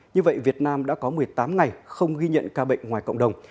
như vậy việt nam đã có một mươi tám ngày không ghi nhận ca bệnh ngoài cộng đồng